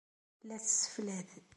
La tesseflad.